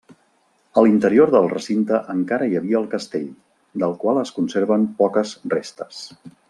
A l'interior del recinte encara hi havia el Castell, del qual es conserven poques restes.